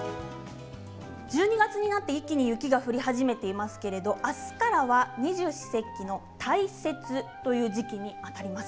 １２月になって一気に雪が降り始めていますけれど明日からは二十四節気の大雪という時期にあたります。